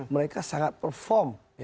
mereka sangat perform